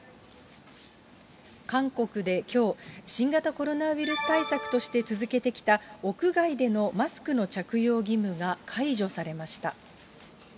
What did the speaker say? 韓国できょう、新型コロナウイルス対策として続けてきた屋外でのマスクの着用義務が解除されました。